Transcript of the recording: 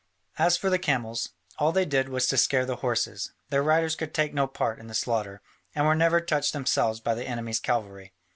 As for the camels, all they did was to scare the horses; their riders could take no part in the slaughter, and were never touched themselves by the enemy's cavalry.